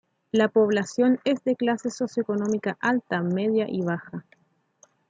La población es de clase socioeconómica alta, media y baja.